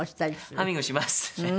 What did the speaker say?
ハミングしますね。